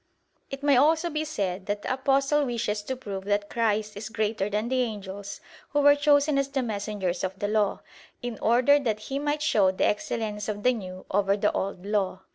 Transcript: It may also be said that the Apostle wishes to prove that Christ is greater than the angels who were chosen as the messengers of the law; in order that He might show the excellence of the new over the old law.